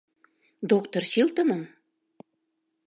— Доктыр Чилтоным?